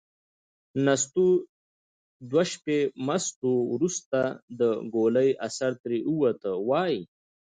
نستوه دوه شپې مست و. وروسته چې د ګولۍ اثر ترې ووت، وايي: